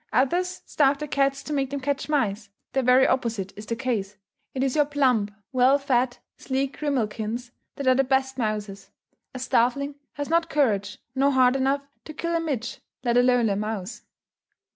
Others starve their cats to make them catch mice; the very opposite is the case. It is your plump, well fed, sleek grimalkins that are the best mousers; a starveling has not courage nor heart enough to kill a midge, let alone a mouse.